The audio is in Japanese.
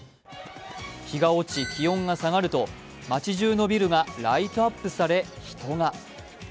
日が落ち、気温が下がると街じゅうのビルがライトアップされ人が。